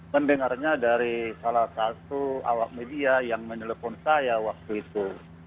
mendengarnya dari salah satu awak media yang menelpon saya waktu itu